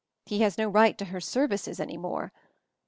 He has no right to her 'services' any more.